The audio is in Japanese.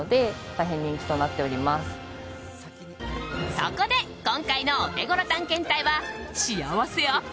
そこで今回のオテゴロ探検隊は幸せアップ